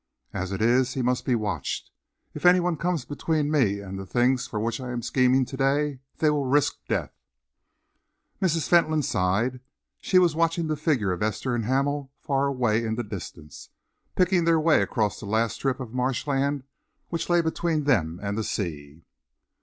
As it is, he must be watched. If any one comes between me and the things for which I am scheming to day, they will risk death." Mrs. Fentolin sighed. She was watching the figures of Esther and Hamel far away in the distance, picking their way across the last strip of marshland which lay between them and the sea.